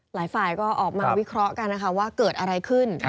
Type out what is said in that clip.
หลายฝ่ายก็ออกมาวิเคราะห์กันนะคะว่าเกิดอะไรขึ้น